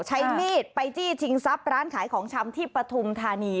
ใช้มีดไปจี้ชิงทรัพย์ร้านขายของชำที่ปฐุมธานี